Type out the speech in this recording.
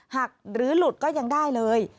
หรือหลุดก็ยังได้เลย